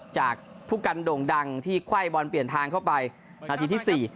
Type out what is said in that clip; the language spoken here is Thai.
จากผู้กันโด่งดังที่ไขว้บอลเปลี่ยนทางเข้าไปนาทีที่๔